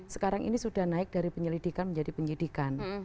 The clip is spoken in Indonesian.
sekarang ini sudah naik dari penyelidikan menjadi penyidikan